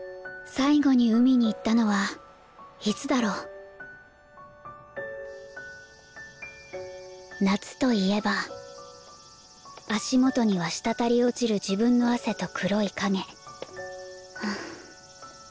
最後に海に行ったのはいつだろう「夏」といえば足元には滴り落ちる自分の汗と黒い影ふう。